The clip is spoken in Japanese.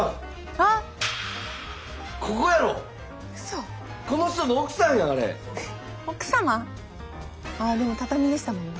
ああでも畳でしたもんね。